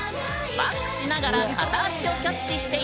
バックしながら片足をキャッチして１回転。